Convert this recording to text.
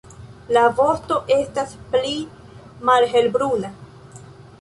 La vosto estas pli malhelbruna.